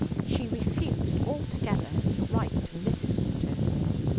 She refused altogether to write to Mrs. Waters.